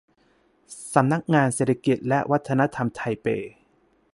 สำนักงานเศรษฐกิจและวัฒนธรรมไทเป